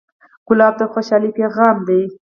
ګلاب د خوشحالۍ پیغام دی.